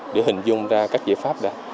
để hình dung ra các giải pháp